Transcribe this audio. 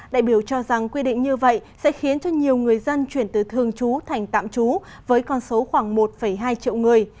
đại biểu cho rằng quy định như vậy sẽ khiến cho nhiều người dân chuyển từ thường trú thành tạm trú với con số khoảng một hai triệu người